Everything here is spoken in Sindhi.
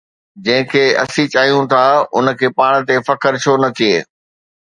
جنهن کي اسين چاهيون ٿا، ان کي پاڻ تي فخر ڇو نه ٿئي؟